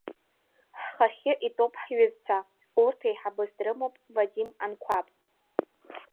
Ҳхахьы итәоуп ҳҩызцәа, урҭ еиҳабыс дрымоуп Вадим Анқәаб.